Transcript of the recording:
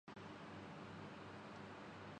اس لئے کہ انہیں لگتا ہے۔